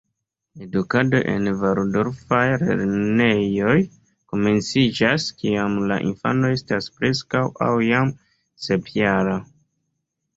Edukado en valdorfaj lernejoj komenciĝas kiam la infano estas preskaŭ aŭ jam sepjara.